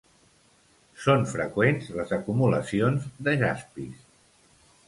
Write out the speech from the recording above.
Són freqüents les acumulacions de jaspis.